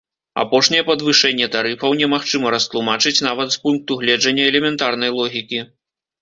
Апошняе падвышэнне тарыфаў немагчыма растлумачыць нават з пункту гледжання элементарнай логікі.